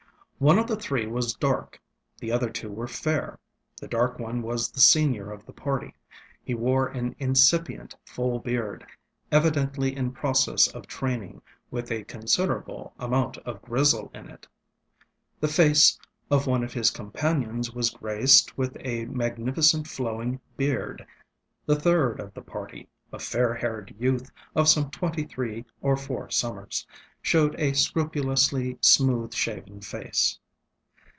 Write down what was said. One of the three was dark, the other two were fair. The dark one was the senior of the party. He wore an incipient full beard, evidently in process of training, with a considerable amount of grizzle in it. The face of one of his companions was graced with a magnificent flowing beard. The third of the party, a fair haired youth of some twenty three or four summers, showed a scrupulously smooth shaven face.